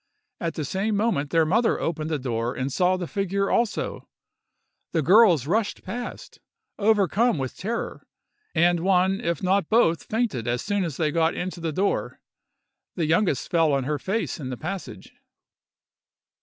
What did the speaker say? At the same moment their mother opened the door and saw the figure also; the girls rushed past, overcome with terror, and one if not both fainted as soon as they got into the door. The youngest fell on her face in the passage.